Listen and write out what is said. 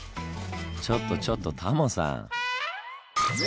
ちょっとちょっとタモさん！